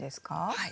はい。